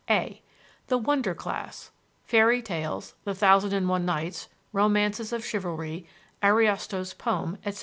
(a) The "wonder" class (fairy tales, the Thousand and One Nights, romances of chivalry, Ariosto's poem, etc.)